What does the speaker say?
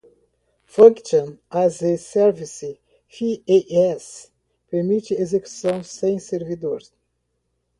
Function as a Service (FaaS) permite execução sem servidor.